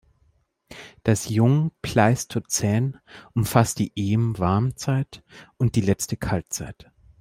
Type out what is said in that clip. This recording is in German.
Das Jungpleistozän umfasst die Eem-Warmzeit und die Letzte Kaltzeit.